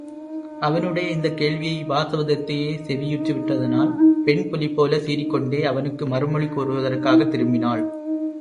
அவனுடைய இந்தக் கேள்வியை வாசவதத்தையே செவியுற்று விட்டதனால் பெண் புலிபோலச் சீறிக்கொண்டே அவனுக்கு மறுமொழி கூறுவதற்காகத் திரும்பினாள்.